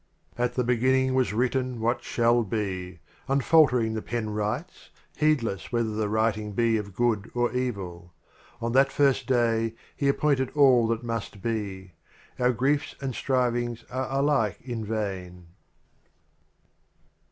74 LXXI "' Th T' At the Beginning was written What Q e m J ' Shall Be. Unfaltering, the Pen writes, heed less whether the Writing be of Good or Evil. On the First Day, He appointed All That Must Be; — Our Griefs and Strivings are alike in vain.